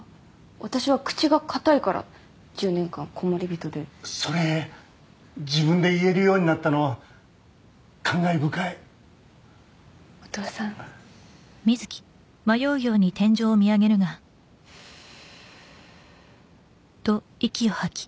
私は口が堅いから１０年間コモリビトでそれ自分で言えるようになったのは感慨深いお父さんふうー